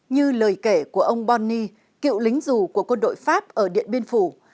như lời kể của ông bonny cựu lính dù của quân đội pháp ở điện biên phủ